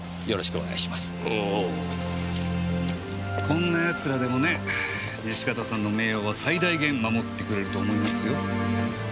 こんなやつらでもね西片さんの名誉は最大限守ってくれると思いますよ。